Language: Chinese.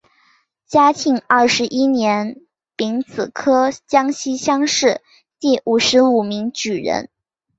嘉庆二十一年丙子科江西乡试第五十五名举人。